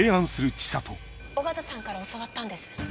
緒方さんから教わったんです。